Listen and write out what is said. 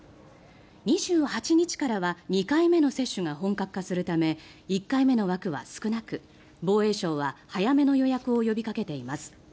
２８日からは２回目の接種が本格化するため１回目の枠は少なく、防衛相は早めの予約を呼びかけています。